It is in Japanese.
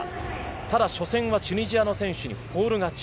ただ初戦はチュニジアの選手にフォール勝ち。